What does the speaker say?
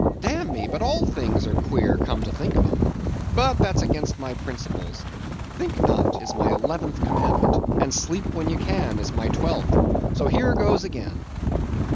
Damn me, but all things are queer, come to think of 'em. But that's against my principles. Think not, is my eleventh commandment; and sleep when you can, is my twelfth—So here goes again.